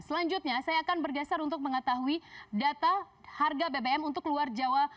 selanjutnya saya akan bergeser untuk mengetahui data harga bbm untuk luar jawa